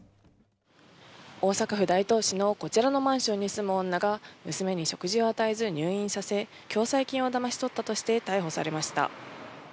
大阪府大東市のこちらのマンションに住む女が娘に食事を与えず入院させ共済金をだまし取ったとして逮捕されました。